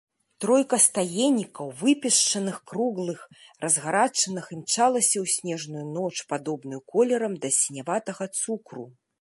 Тройка стаеннікаў, выпешчаных, круглых, разгарачаных, імчалася ў снежную ноч, падобную колерам да сіняватага цукру.